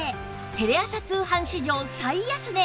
テレ朝通販史上最安値！